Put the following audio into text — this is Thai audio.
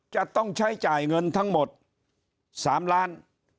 จะต้องใช้จ่ายเงินทั้งหมด๓ล้าน